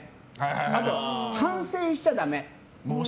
あと反省しちゃだめ。